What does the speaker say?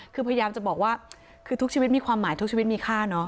คือพยายามจะบอกว่าคือทุกชีวิตมีความหมายทุกชีวิตมีค่าเนอะ